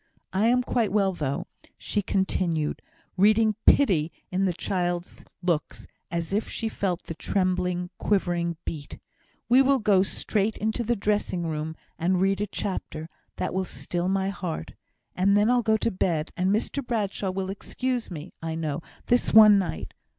"I am quite well, though," she continued, reading pity in the child's looks, as she felt the trembling, quivering beat. "We will go straight to the dressing room, and read a chapter; that will still my heart; and then I'll go to bed, and Mr Bradshaw will excuse me, I know, this one night.